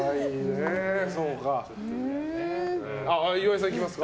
岩井さん、いきますか。